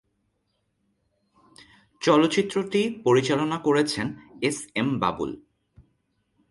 চলচ্চিত্রটি পরিচালনা করেছেন এস এম বাবুল।